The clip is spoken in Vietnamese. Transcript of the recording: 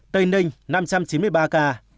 tây ninh năm trăm chín mươi ba ca